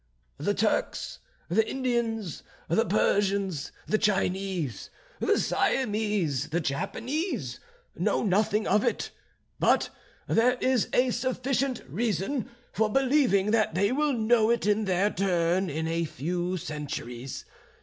The Turks, the Indians, the Persians, the Chinese, the Siamese, the Japanese, know nothing of it; but there is a sufficient reason for believing that they will know it in their turn in a few centuries.